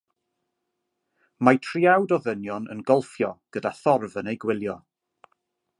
Mae triawd o ddynion yn golffio gyda thorf yn eu gwylio.